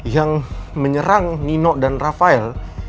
yang menyerang nino dan rafael